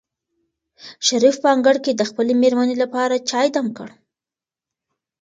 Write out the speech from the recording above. شریف په انګړ کې د خپلې مېرمنې لپاره چای دم کړ.